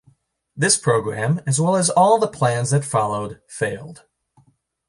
This programme, as well as all the plans that followed, failed.